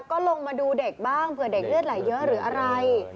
ก็ลงมาดูเด็กบ้างเผื่อเด็กเลือดไหลเยอะหรืออะไร